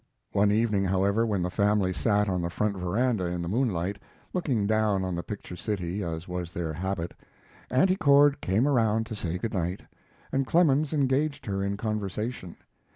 One evening, however, when the family sat on the front veranda in the moonlight, looking down on the picture city, as was their habit, Auntie Cord came around to say good night, and Clemens engaged her in conversation.